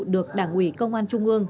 được đảng ủy công an trung ương